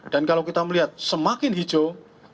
dan kalau kita melihat semakin hijau